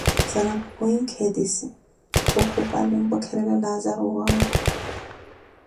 Zanapo khuhinkheetisi, khu kupali ompwekerela Laazaru owaawe.